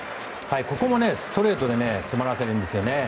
ここもストレートで詰まらせるんです。